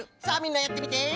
さあみんなやってみて。